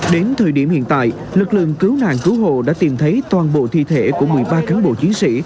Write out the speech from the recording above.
đến thời điểm hiện tại lực lượng cứu nạn cứu hộ đã tìm thấy toàn bộ thi thể của một mươi ba cán bộ chiến sĩ